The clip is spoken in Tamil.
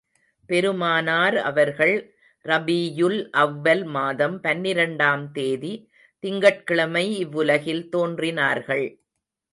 பெருமானார் அவர்கள், ரபீயுல் அவ்வல் மாதம் பன்னிரண்டாம் தேதி, திங்கட்கிழமை இவ்வுலகில் தோன்றினார்கள்.